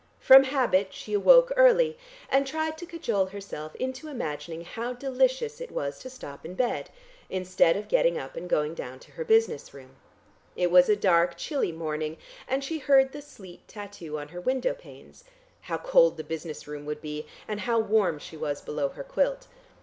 From habit she awoke early, and tried to cajole herself into imagining how delicious it was to stop in bed, instead of getting up and going down to her business room. It was a dark, chilly morning, and she heard the sleet tattoo on her window panes; how cold the business room would be, and how warm she was below her quilt.